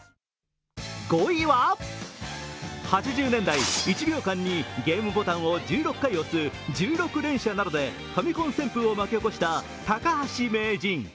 ５位は８０年代、１秒間にゲームボタンを１６回押す１６連射などでファミコン旋風を巻き起こした高橋名人。